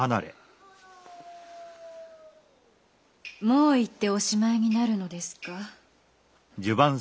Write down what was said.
もう行っておしまいになるのですか？